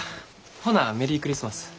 ほなメリークリスマス。